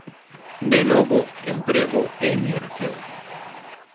De novo, emprego e emigración.